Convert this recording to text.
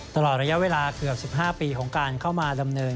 ตลอดระยะเวลาเกือบ๑๕ปีของการเข้ามาดำเนิน